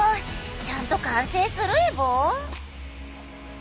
ちゃんと完成するエボ？